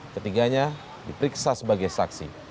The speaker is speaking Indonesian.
ketiganya diperiksa sebagai saksi